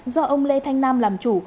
do ông lê thanh nam làm chủ